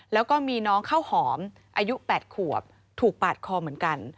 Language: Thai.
แล้วก็มีน้องข้าวหอมอายุ๘ขวบถูกปาดคอเหมือนกัน